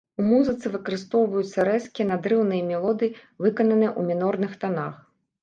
У музыцы выкарыстоўваюцца рэзкія, надрыўныя мелодыі, выкананыя ў мінорных танах.